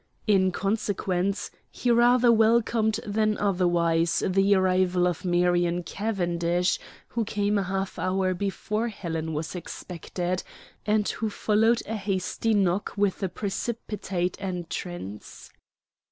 In consequence, he rather welcomed than otherwise the arrival of Marion Cavendish, who came a half hour before Helen was expected, and who followed a hasty knock with a precipitate entrance.